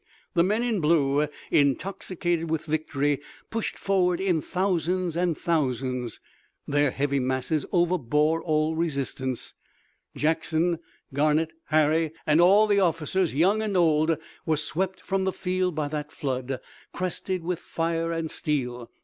The men in blue, intoxicated with victory, pushed forward in thousands and thousands. Their heavy masses overbore all resistance. Jackson, Garnett, Harry and all the officers, young and old were swept from the field by that flood, crested with fire and steel.